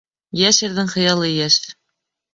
Йәш ирҙең хыялы йәш